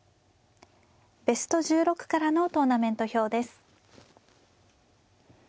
ベスト１６からのトーナメント表です。